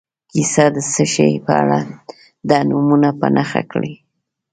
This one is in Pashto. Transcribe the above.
کیسه د څه شي په اړه ده نومونه په نښه کړي.